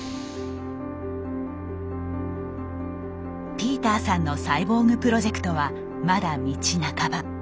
ピーターさんのサイボーグプロジェクトはまだ道半ば。